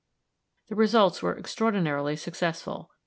The results were extraordinarily successful.